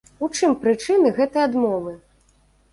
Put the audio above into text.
У чым прычыны гэтай адмовы?